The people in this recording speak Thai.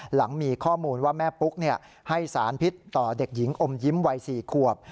หลังมีข้อมูลว่าแม่ปุ๊กให้สารพิษต่อเด็กหญิงอมยิ้มวัย๔ขวบ